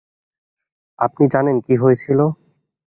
আপনি জানেন, কী হয়েছিল?